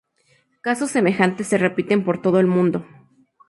Casos semejantes se repiten por todo el mundo.